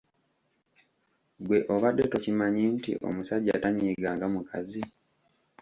Gwe obadde tokimanyi nti omusajja tanyiiga nga mukazi?